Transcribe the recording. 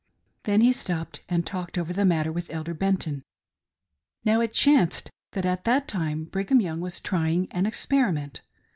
^' Then he stopped and talked over the matter with Elder Benton. Now it chanced that at that time Brigham Young was try ing an experiment.